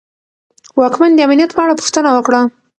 واکمن د امنیت په اړه پوښتنه وکړه.